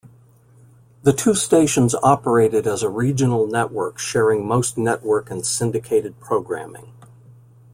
The two stations operated as a regional network sharing most network and syndicated programming.